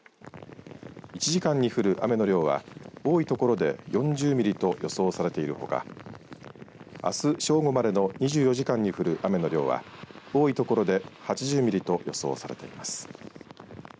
１時間に降る雨の量は多い所で４０ミリと予想されているほかあす正午までの２４時間に降る雨の量は多い所で８０ミリと予想されています。